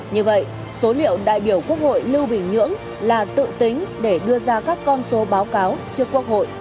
như vậy số liệu đại biểu quốc hội lưu bình nhưỡng là tự tính để đưa ra các con số báo cáo trước quốc hội